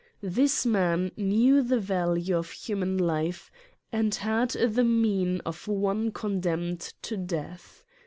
This man knew the value of human life and had the mien of one condemned to death.